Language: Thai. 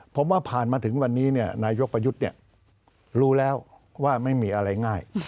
ผมว่าผ่านมาถึงวันนี้นายกประยุทธ์รู้แล้วว่าไม่มีอะไรง่าย